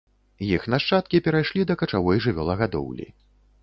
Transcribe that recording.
Іх нашчадкі перайшлі да качавой жывёлагадоўлі.